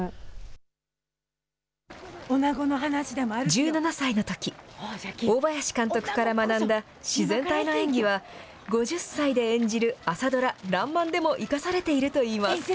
１７歳のとき、大林監督から学んだ自然体の演技は、５０歳で演じる朝ドラらんまんでも生かされているといいます。